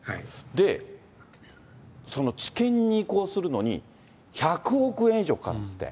その治験に移行するのに、１００億円以上かかるんですって。